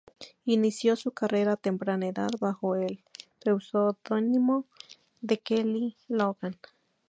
Inició su carrera a temprana edad bajo el pseudónimo de Kelly Logan.